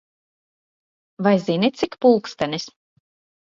Vai zini, cik pulkstenis?